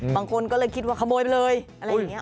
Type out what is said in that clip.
บางคนก็เลยคิดว่าขโมยไปเลย